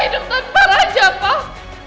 hidup tanpa raja pak